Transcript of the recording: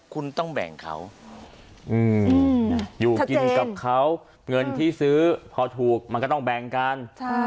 คุณต้องแบ่งเขาอยู่กินกับเขาเงินที่ซื้อพอถูกมันก็ต้องแบ่งกัน